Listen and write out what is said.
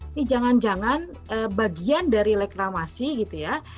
ini jangan jangan bagian dari reklamasi gitu ya